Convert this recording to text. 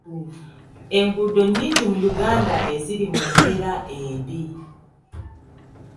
Enguudo nnyingi mu Uganda eziri mu mbeera embi.